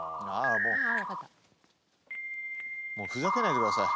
もうふざけないでください